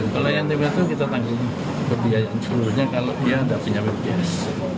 kalau ntb itu kita tanggung pembiayaan seluruhnya kalau dia tidak punya bpjs